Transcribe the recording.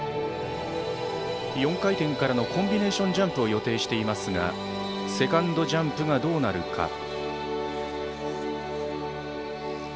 ４回転からのコンビネーションジャンプを予定していますがセカンドジャンプがどうなるか。